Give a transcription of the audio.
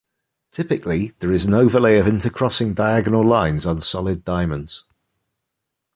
Typically, there is an overlay of intercrossing diagonal lines on solid diamonds.